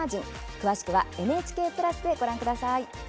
詳しくはＮＨＫプラスでご覧ください。